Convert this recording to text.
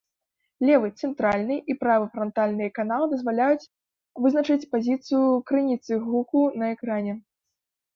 Левы, цэнтральны і правы франтальныя каналы дазваляюць вызначыць пазіцыю крыніцы гуку на экране.